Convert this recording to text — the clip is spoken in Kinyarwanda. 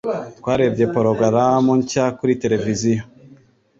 Twarebye porogaramu nshya kuri tereviziyo.